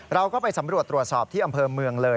เราก็ไปสำรวจตรวจสอบที่อำเภอเมืองเลย